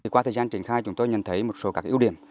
qua thời gian triển khai chúng tôi nhận thấy một số các ưu điểm